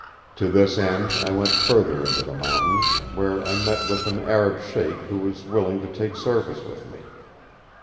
To this end I went further into the mountains, where I met with an Arab Sheik who was willing to take service with me.